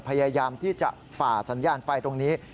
พยายามที่จะฝ่าสัญญาณไฟตรงนี้